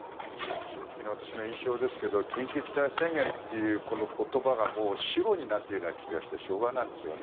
正直な私の印象ですが緊急事態宣言っていうこの言葉が死語になっている気がしてしょうがないんですよね。